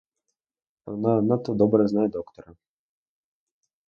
Вона надто добре знає доктора.